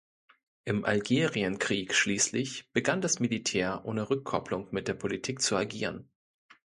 Im Algerienkrieg schließlich begann das Militär, „ohne Rückkopplung“ mit der Politik zu agieren.